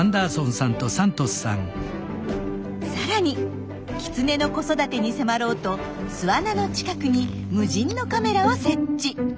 さらにキツネの子育てに迫ろうと巣穴の近くに無人のカメラを設置。